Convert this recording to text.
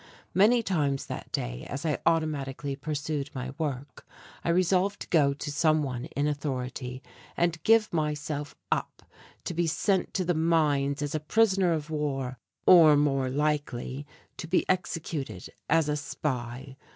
Many times that day as I automatically pursued my work, I resolved to go to some one in authority and give myself up to be sent to the mines as a prisoner of war, or more likely to be executed as a spy.